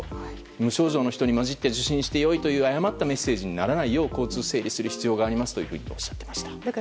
無症状の人に交じって受診してよいという誤ったメッセージにならないように交通整理する必要があるというふうにおっしゃっていました。